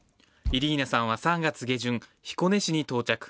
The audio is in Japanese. イリーナさんは３月下旬、彦根市に到着。